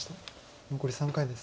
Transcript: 残り３回です。